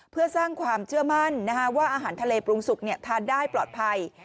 เพื่อสร้างความเชื่อมั่นว่าอาหารทะเลปรุงสุกทานได้ปลอดภัย